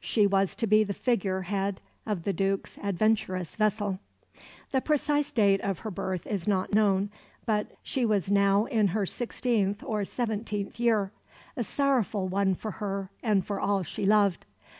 She was to be the figure head of the Duke's adventurous vessel. The precise date of her birth is not known, but she was now in her sixteenth or seventeenth year a sorrowful one for her and for all she loved.